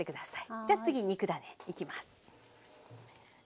じゃ次肉ダネいきます。